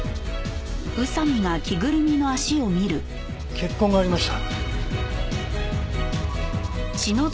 血痕がありました。